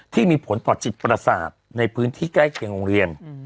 ที่มีผลต่อจิตประสาทในพื้นที่ใกล้เคียงโรงเรียน